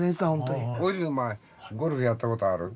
大泉お前ゴルフやったことある？